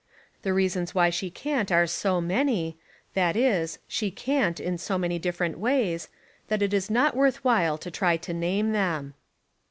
The reasons why she can't are so many, that Is, she "can't" in so many different ways, that it Is not worth while to try to name them.